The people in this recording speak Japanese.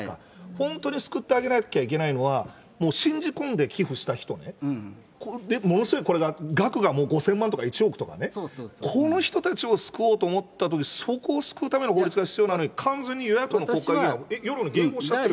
本当に救ってあげなきゃいけないのは、もう信じ込んで寄付した人ね、これ、ものすごい額が５０００万とか１億とかね、この人たちを救おうと思ったとき、そこを救うための法律が必要なのに、完全に与野党の国会議員は世論に迎合しちゃってる。